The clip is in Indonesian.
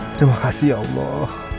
terima kasih ya allah